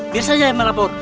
biar saya yang melapor